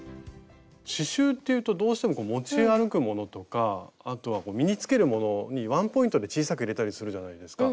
刺しゅうっていうとどうしても持ち歩くものとかあとは身につけるものにワンポイントで小さく入れたりするじゃないですか。